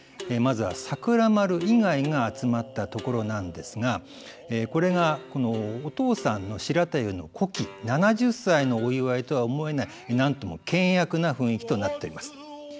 まずは桜丸以外が集まったところなんですがこれがお父さんの白太夫の古希７０歳のお祝いとは思えないなんとも険悪な雰囲気となっております。